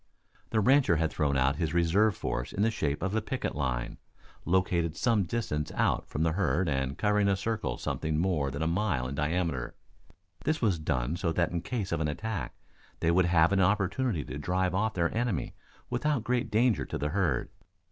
The rancher had thrown out his reserve force in the shape of a picket line, located some distance out from the herd and covering a circle something more than a mile in diameter. This was done so that in case of an attack they would have an opportunity to drive off their enemy without great danger to the herd.